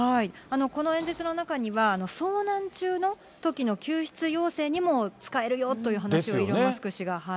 この演説の中には、遭難中のときの救出要請にも使えるよという話をイーロン・マスク